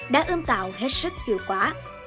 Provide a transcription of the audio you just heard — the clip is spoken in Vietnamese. đã ưm tạo hết sức hiệu quả